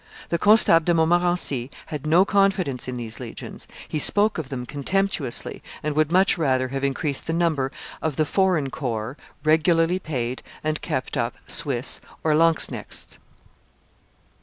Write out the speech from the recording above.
The Constable de Montmorency had no confidence in these legions; he spoke of them contemptuously, and would much rather have increased the number of the foreign corps, regularly paid and kept up, Swiss or lanzknechts.